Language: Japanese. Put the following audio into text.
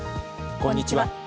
こんにちは。